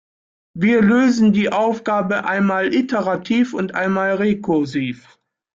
Wir lösen die Aufgabe einmal iterativ und einmal rekursiv.